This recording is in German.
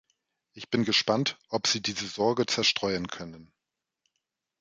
Ich bin gespannt, ob Sie diese Sorge zerstreuen können.